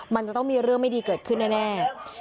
มันจะต้องมีเรื่องไม่ดีเกิดขึ้นแน่